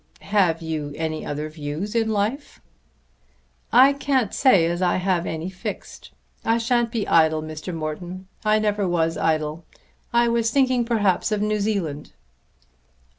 "Have you any other views in life?" "I can't say as I have any fixed. I shan't be idle, Mr. Morton. I never was idle. I was thinking perhaps of New Zealand."